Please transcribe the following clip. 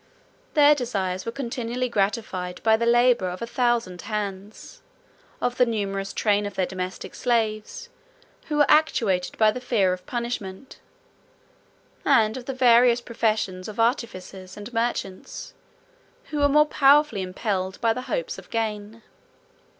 Their desires were continually gratified by the labor of a thousand hands; of the numerous train of their domestic slaves, who were actuated by the fear of punishment; and of the various professions of artificers and merchants, who were more powerfully impelled by the hopes of gain.